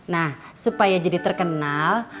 nah supaya jadi terkenal